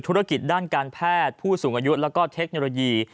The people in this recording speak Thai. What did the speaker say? ธุรกิจด้านการแพทย์ผู้สูงอายุแล้วก็เทคโนโลยี